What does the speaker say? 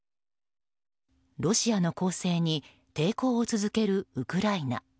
ロシアの攻勢に抵抗を続けるウクライナ。